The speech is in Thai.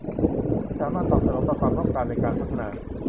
ที่สามารถตอบสนองต่อความต้องการในการพัฒนา